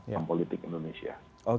dalam politik indonesia